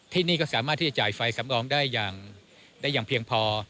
ที่นี่ก็สามารถที่จะจ่ายไฟสำรองได้อย่างเพียงพอ